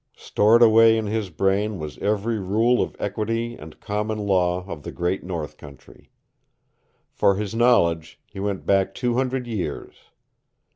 Stored away in his brain was every rule of equity and common law of the great North country. For his knowledge he went back two hundred years.